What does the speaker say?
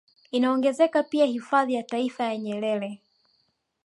Inaongezeka pia hifadhi ya taifa ya Nyerere